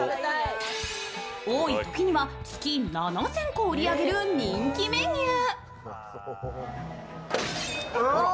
多いときには月７０００個を売り上げる人気メニュー。